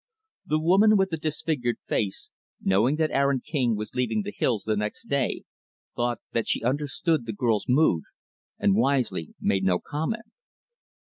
The woman with the disfigured face, knowing that Aaron King was leaving the hills the next day, thought that she understood the girl's mood, and wisely made no comment.